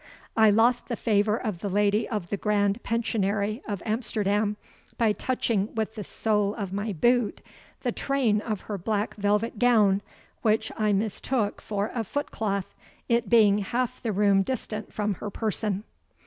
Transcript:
I lost the favour of the lady of the Grand Pensionary of Amsterdam, by touching with the sole of my boot the train of her black velvet gown, which I mistook for a foot cloth, it being half the room distant from her person."